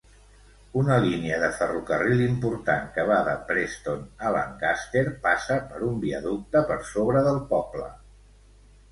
Una línia de ferrocarril important que va de Preston a Lancaster passa per un viaducte per sobre del poble.